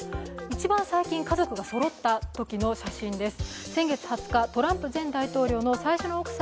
一番最近、家族がそろったときの写真です。